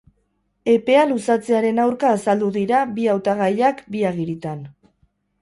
Epea luzatzearen aurka azaldu dira bi hautagaiak bi agiritan.